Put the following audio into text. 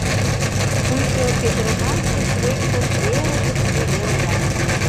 Пуйто петырымаш гыч лектын эрыкыш геройла!